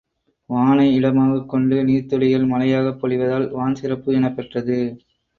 வானை இடமாகக் கொண்டு நீர்த்துளிகள் மழையாகப் பொழிவதால் வான் சிறப்பு எனப்பெற்றது.